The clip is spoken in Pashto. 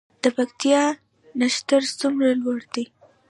د پکتیا نښتر څومره لوړ دي؟